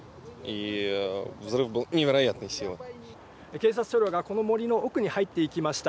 警察車両がこの森の奥に入っていきました。